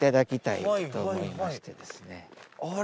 あれ？